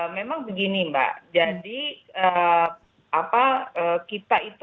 memang begini mbak jadi kita itu membutuhkan